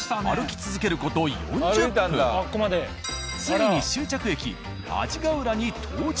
ついに終着駅阿字ヶ浦に到着。